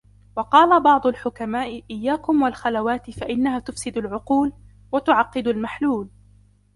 وَقَالَ بَعْضُ الْحُكَمَاءِ إيَّاكُمْ وَالْخَلَوَاتِ فَإِنَّهَا تُفْسِدُ الْعُقُولَ ، وَتُعَقِّدُ الْمَحْلُولَ